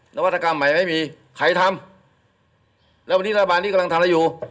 นวัตกรรมใหม่ไม่มีใครทำแล้ววันนี้รัฐบาลนี้กำลังทำอะไรอยู่